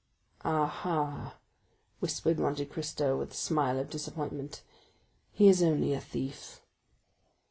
"Ah, ha," whispered Monte Cristo with a smile of disappointment, "he is only a thief."